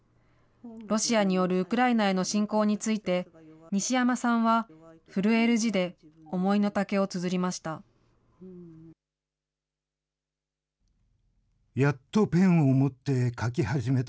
ロシアによるウクライナへの侵攻について、西山さんは震える字で、思いの丈をつづりました。